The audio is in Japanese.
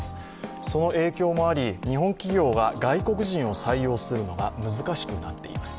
その影響もあり、日本企業が外国人を採用するのが難しくなっています。